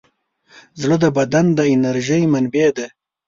زړه د بدن د انرژۍ منبع ده.